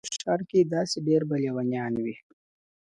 په دې ښار كي داسي ډېر به لېونيان وي..